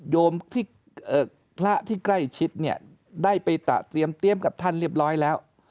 พระที่ใกล้ชิดเนี่ยได้ไปตะเตรียมกับท่านเรียบร้อยแล้ว